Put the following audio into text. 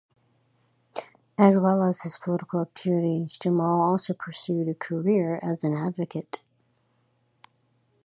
As well as his political activities Jamal also pursued a career as an advocate.